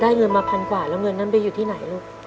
เงินมาพันกว่าแล้วเงินนั้นไปอยู่ที่ไหนลูก